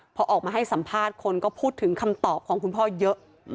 พอออกมาให้สัมภาษณ์คนก็พูดถึงคำตอบของคุณพ่อเยอะ